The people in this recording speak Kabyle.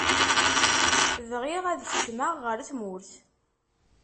bɣiɣ ad kecmaɣ ɣer tmurt.